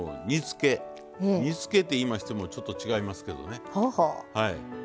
煮つけといいましてもちょっと違いますけどね。